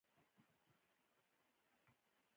د خېبر پښتونخوا ختيځې ولسوالۍ اېبټ اباد مانسهره